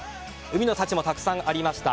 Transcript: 海の幸もたくさんありました。